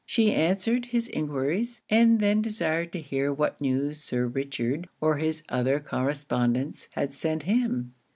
She answered his enquiries and then desired to hear what news Sir Richard or his other correspondents had sent him?